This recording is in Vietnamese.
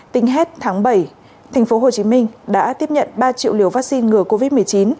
tính hết tháng bảy thành phố hồ chí minh đã tiếp nhận ba triệu liều vaccine ngừa covid một mươi chín